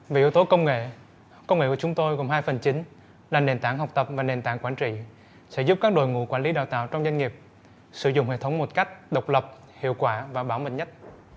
vì ưu tố công nghệ công nghệ của chúng tôi gồm hai phần chính là nền tảng học tập và nền tảng quản trị sẽ giúp các đội ngũ quản lý đào tạo trong doanh nghiệp sử dụng hệ thống một cách độc lập hiệu quả và bảo mệnh nhất